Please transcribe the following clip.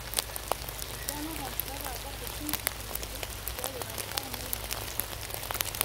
Le dernier empereur à avoir des concubines officielles est l'empereur Meiji.